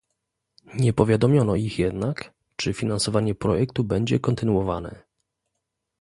Nie powiadomiono ich jednak, czy finansowanie projektu będzie kontynuowane